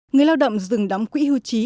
người lao động dừng đóng quỹ hưu trí